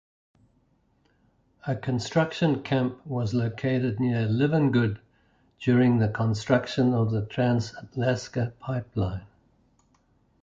A construction camp was located near Livengood during the construction of the Trans-Alaska Pipeline.